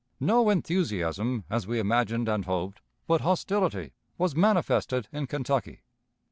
No enthusiasm, as we imagined and hoped, but hostility, was manifested in Kentucky.